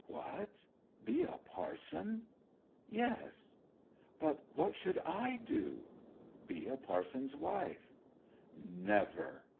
'What be a parson?' 'Yes.' 'But what should I do?' 'Be a parson's wife.' 'Never!'